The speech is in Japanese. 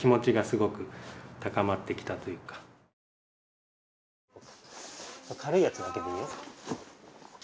どこかで軽いやつだけでいいよ。